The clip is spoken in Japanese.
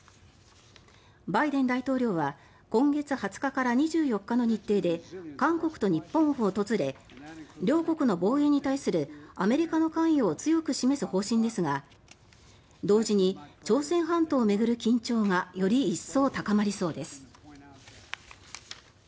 バイデン大統領は今月２０日から２４日の日程で韓国と日本を訪れ両国の防衛に対するアメリカの関与を強く示す方針ですが同時に朝鮮半島を巡る緊張がより一層高まりそうです。